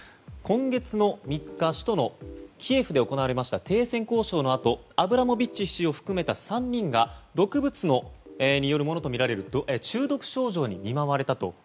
今月の３日首都キエフでありました停戦交渉のあとアブラモビッチ氏を含めた３人が毒物によるものとみられる中毒症状に見舞われたと。